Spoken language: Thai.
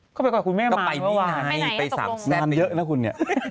เขาไปกับคุณแม่มาเหรอวะวะก็ไปนี่ไงไปสามแซมงานเยอะนะคุณเนี่ย